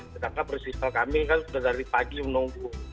sedangkan peristiwa kami kan sudah dari pagi menunggu